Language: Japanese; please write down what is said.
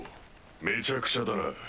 めちゃくちゃだな。